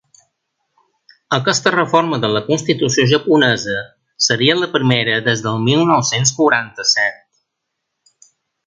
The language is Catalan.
Aquesta reforma de la constitució japonesa seria la primera des del mil nou-cents quaranta-set.